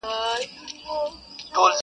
چي پکښي و لټوو لار د سپین سبا په لوري.